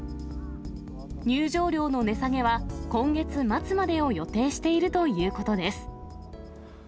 入場料の値下げは、今月末までを予定しているということです。